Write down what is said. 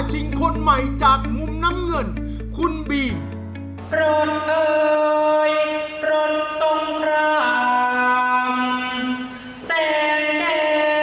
ส่องราชาเงินข้างท้าย